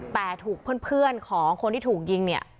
แต่ถูกเพื่อนของคนที่ถูกยิงเนี่ย